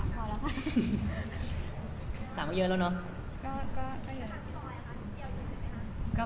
ก็เยอะ